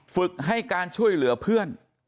ฝึกให้การช่วยเหลือเพื่อน